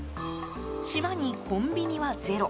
島にコンビニはゼロ。